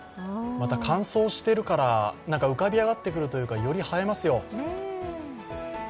乾燥しているから浮かび上がってくるというかより映えますよ。